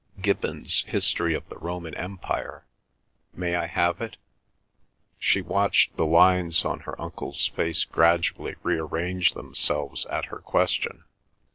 "Gibbon's History of the Roman Empire. May I have it?" She watched the lines on her uncle's face gradually rearrange themselves at her question.